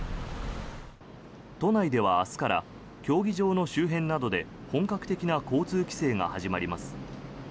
都内では明日から競技場の周辺などで本格的な交通規制が始まります。